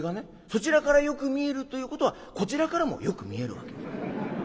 そちらからよく見えるということはこちらからもよく見えるわけ。